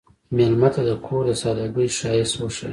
مېلمه ته د کور د سادګۍ ښایست وښیه.